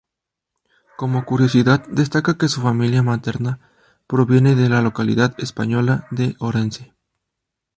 Como curiosidad destaca que su familia materna proviene de la localidad española de Orense.